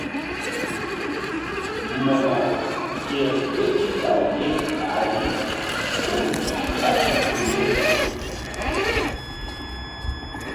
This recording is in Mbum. Mo̧ko ker ké ɓil law ye ɓahri hul ɓá i gun ye.